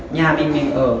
nhà mình mình ở